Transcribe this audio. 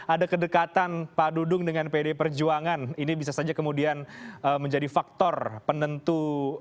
ada kedekatan pak dudung dengan pd perjuangan ini bisa saja kemudian menjadi faktor penentu